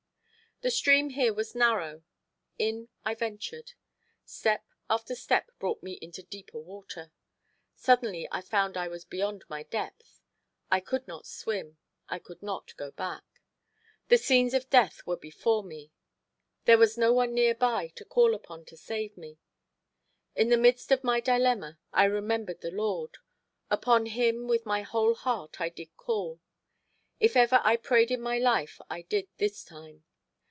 The stream here was narrow; in I ventured. Step after step brought me into deeper water. Suddenly I found that I was beyond my depth. I could not swim, I could not go back. The scenes of death were before me. There was no one near by to call upon to save me. In the midst of my dilemma I remembered the Lord; upon Him with my whole heart I did call. If ever I prayed in my life I did this time.